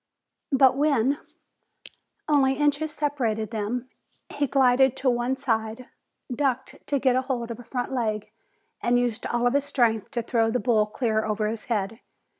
But when only inches separated them, he glided to one side, ducked to get hold of a front leg, and used all his strength to throw the bull clear over his head.